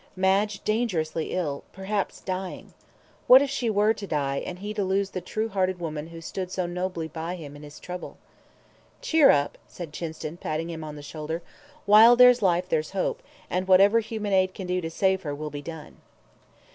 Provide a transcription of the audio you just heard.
Madge dangerously ill perhaps dying. What if she were to die, and he to lose the true hearted woman who stood so nobly by him in his trouble? "Cheer up," said Chinston, patting him on the shoulder; "while there's life there's hope, and whatever human aid can do to save her will be done."